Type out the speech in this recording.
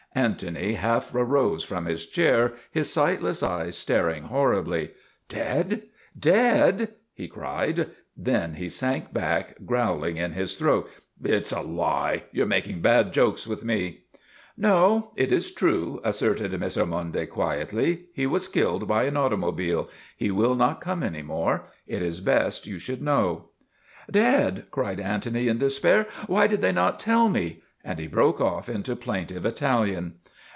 Antony half rose from his chair, his sightless eyes staring horribly. " Dead? Dead? " he cried. Then he sank back, growling in his throat. ' It is a lie ! You are mak ing bad jokes with me." ' No, it is true," asserted Miss Ormonde quietly. " He was killed by an automobile. He will not come any more. It is best you should know." MADNESS OF ANTONY SPATOLA 91 " Dead !' cried Antony in despair. " Why did they not tell me ?' and he broke off into plaintive Italian.